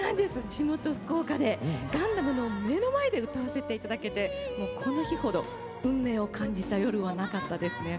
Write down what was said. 地元、福岡でガンダムの目の前で歌わせていただけてこの日ほど運命を感じた夜もなかったですね。